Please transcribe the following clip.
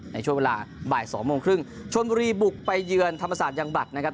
ในช่วงเวลาบ่ายสองโมงครึ่งชนบุรีบุกไปเยือนธรรมศาสตร์ยังบัตรนะครับ